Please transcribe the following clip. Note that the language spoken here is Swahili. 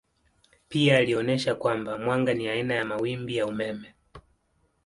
Pia alionyesha kwamba mwanga ni aina ya mawimbi ya umeme.